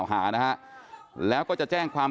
พี่ก็ต่อยพ่อผม